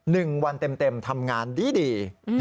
นึงวันเต็มทำงานดี